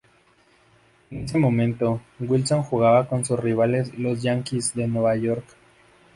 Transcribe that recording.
En ese momento, "Wilson" jugaba con sus rivales los Yankees de Nueva York.